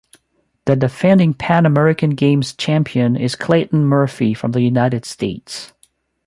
The defending Pan American Games champion is Clayton Murphy from the United States.